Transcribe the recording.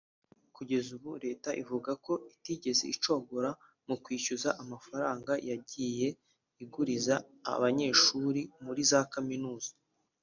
Kugeza ubu Leta ivuga ko itigeze icogora mu kwishyuza amafaranga yagiye iguriza abanyeshuli muri za kaminuza